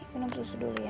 minum susu dulu ya